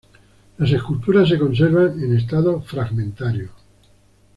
Las esculturas se conservan en estado fragmentario.